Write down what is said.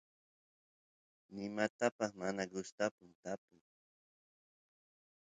nimatapas mana gustapun tapuy